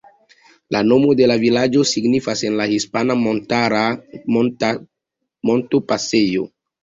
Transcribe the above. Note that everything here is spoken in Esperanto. La nomo de la vilaĝo signifas en la hispana "Montara Montopasejo".